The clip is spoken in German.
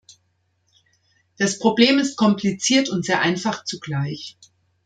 Das Problem ist kompliziert und sehr einfach zugleich.